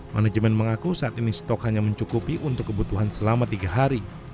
manajemen mengaku saat ini stok hanya mencukupi untuk kebutuhan selama tiga hari